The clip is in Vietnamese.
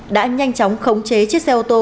đã nhanh chóng khống chế chiếc xe ô tô